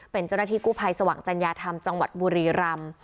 เป็นเจ้าหน้าที่กู้ภัยสว่างจัญญาธรรมจังหวัดบุรีรำ